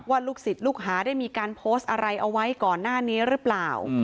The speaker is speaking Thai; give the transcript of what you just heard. ลูกศิษย์ลูกหาได้มีการโพสต์อะไรเอาไว้ก่อนหน้านี้หรือเปล่า